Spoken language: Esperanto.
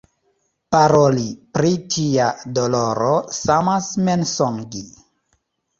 Paroli pri tia doloro samas mensogi.